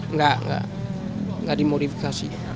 enggak enggak enggak dimodifikasi